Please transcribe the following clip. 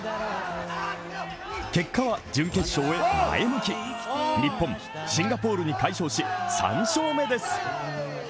結果は準決勝へ前向き日本、シンガポールに快勝し３勝目です。